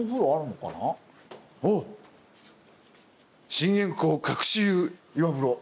「信玄公隠し湯岩風呂」。